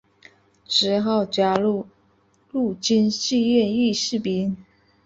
之后加入陆军志愿役士兵。